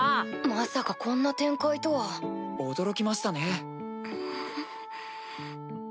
まさかこんな展開とは。驚きましたね。